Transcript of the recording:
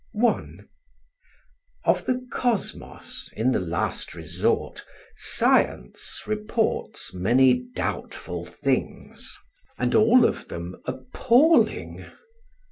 I Of the Kosmos in the last resort, science reports many doubtful things and all of them appalling.